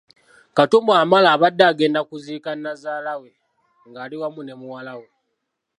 Katumba Wamala abadde agenda kuziika Nnazaala we ng’ali wamu ne muwala we.